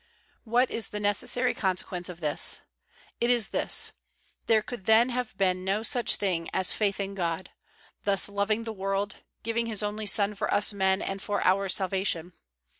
'' What is the necessary consequence of this? It is this : There could then have been no such thing as faith in God, thus loving the world, giving His only Son for us men and for our salvation.